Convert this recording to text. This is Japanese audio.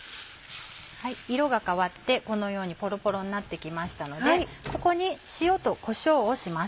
色が変わってこのようにぽろぽろになって来ましたのでここに塩とこしょうをします。